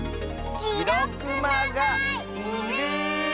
しろくまがいる！